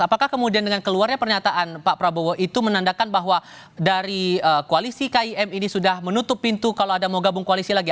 apakah kemudian dengan keluarnya pernyataan pak prabowo itu menandakan bahwa dari koalisi kim ini sudah menutup pintu kalau ada mau gabung koalisi lagi